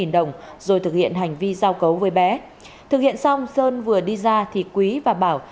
hai mươi năm đồng rồi thực hiện hành vi giao cấu với bé thực hiện xong sơn vừa đi ra thì quý và bảo